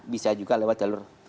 bisa juga lewat jalur